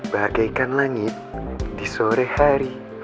bagaikan langit di sore hari